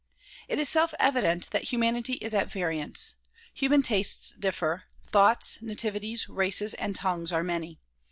It is self evident that humanity is at variance. Human tastes differ ; thoughts, nativities, races and tongues are many.